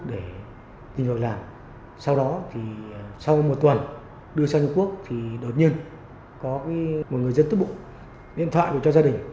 để tìm gọi làm sau đó thì sau một tuần đưa sang trung quốc thì đột nhiên có cái một người dân tức bụng điện thoại được cho gia đình